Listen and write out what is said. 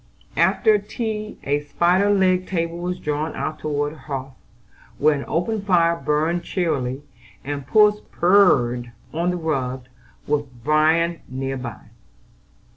After tea a spider legged table was drawn out toward the hearth, where an open fire burned cheerily, and puss purred on the rug, with Bran near by.